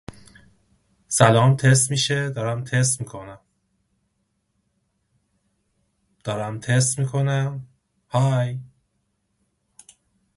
His quotations are always nuggets of the purest ore.